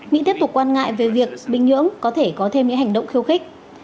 mỹ tiếp tục quan ngại về việc bình nhưỡng có thể có thêm những hành động khiêu khích